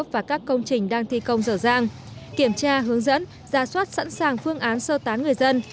và các công trình đang thi công dở dàng kiểm tra hướng dẫn ra soát sẵn sàng phương án sơ tán người dân